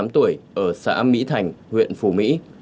bốn mươi tám tuổi ở xã mỹ thành huyện phủ mỹ